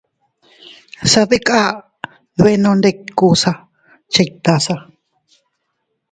Sadikas dbenondikusa chiktasa.